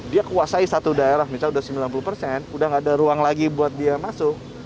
dia kuasai satu daerah misalnya sudah sembilan puluh persen udah gak ada ruang lagi buat dia masuk